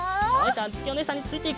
あづきおねえさんについていくぞ。